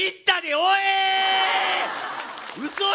おい！